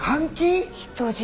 人質？